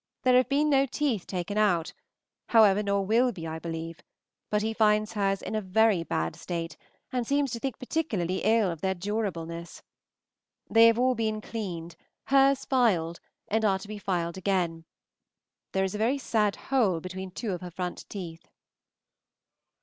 There have been no teeth taken out, however, nor will be, I believe; but he finds hers in a very bad state, and seems to think particularly ill of their durableness. They have been all cleaned, hers filed, and are to be filed again. There is a very sad hole between two of her front teeth.